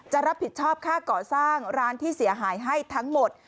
จะรับผิดชอบค่าก่อสร้างร้านที่เสียหายให้ทั้งหมด